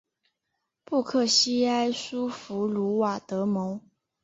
布克西埃苏弗鲁瓦德蒙。